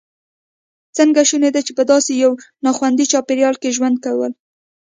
څنګه شونې ده په داسې یو ناخوندي چاپېریال کې ژوند کول.